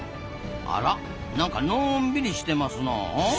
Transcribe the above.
あらなんかのんびりしてますなあ。